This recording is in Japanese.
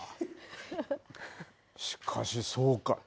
しかし、そうか。